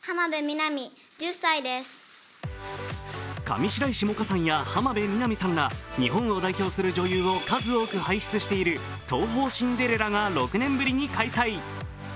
上白石萌歌さんや浜辺美波さんら日本を代表する女優を数多く輩出している東宝シンデレラが６年ぶりに開催。